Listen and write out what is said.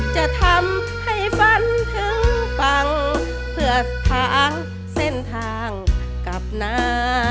จะทำให้ฝันถึงฟังเพื่อค้างเส้นทางกับน้า